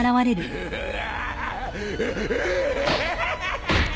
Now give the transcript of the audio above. うわ！